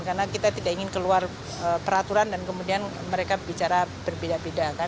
karena kita tidak ingin keluar peraturan dan kemudian mereka bicara berbeda beda kan